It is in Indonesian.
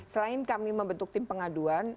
selain kami membentuk tim pengaduan